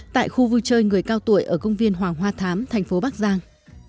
tại khu vui chơi người cao tuổi ở công viên hoàng hoa thám thành phố bắc giang